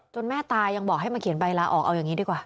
แม่ตายังบอกให้มาเขียนใบลาออกเอาอย่างนี้ดีกว่า